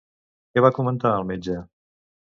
Què va comentar el metge?